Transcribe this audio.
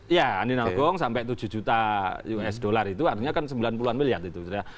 iya andi narogong sampai tujuh juta usd itu artinya kan sembilan puluhan miliar